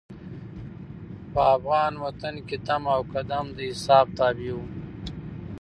په افغان وطن کې دم او قدم د حساب تابع وو.